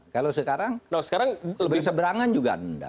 kalau sekarang berseberangan juga tidak